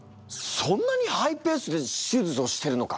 そんなにハイペースで手術をしてるのか。